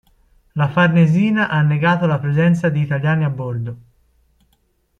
La Farnesina ha negato la presenza di italiani a bordo.